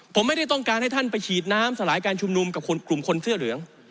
ผมไม่ได้ต้องการให้ท่านไปฉีดน้ำสลายการชุมนุมกับกลุ่มคนเสื้อเหลือง